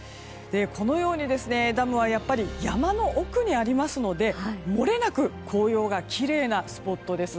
このようにダムはやっぱり山の奥にありますのでもれなく紅葉がきれいなスポットです。